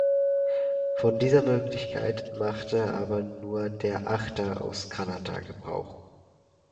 Von dieser Möglichkeit machte aber nur der Achter aus Kanada Gebrauch.